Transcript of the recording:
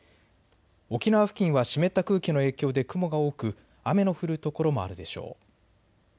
沖縄付近は湿った空気の影響で雲が多く雨の降る所もあるでしょう。